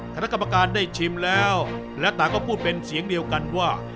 คณะกรรมการได้ชิมแล้วและต่างก็พูดเป็นเสียงเดียวกันว่า